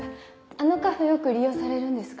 あのカフェよく利用されるんですか？